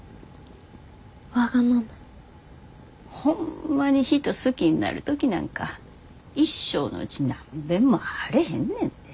ホンマに人好きになる時なんか一生のうち何べんもあれへんねんで。